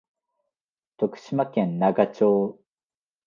徳島県那賀町